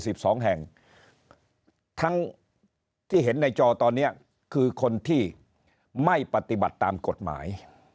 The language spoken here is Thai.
สิบสองแห่งทั้งที่เห็นในจอตอนเนี้ยคือคนที่ไม่ปฏิบัติตามกฎหมาย